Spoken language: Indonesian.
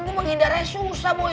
gue penghindarannya susah boy